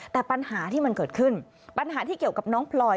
แต่ปัญหาที่มันเกิดขึ้นปัญหาที่เกี่ยวกับน้องพลอย